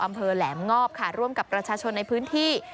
อำเภอแหลมงอบค่ะร่วมกับประชาชนในพื้นที่